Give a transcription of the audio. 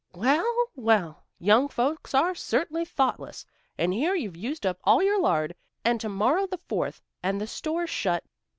"Well, well! Young folks are certainly thoughtless. And here you've used up all your lard, and to morrow the Fourth, and the store shut."